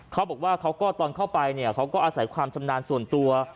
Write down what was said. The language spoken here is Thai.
เขาบอกว่าเขาก็ตอนเข้าไปเนี่ยเขาก็อาศัยความชำนาญส่วนตัว